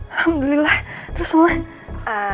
alhamdulillah terus mama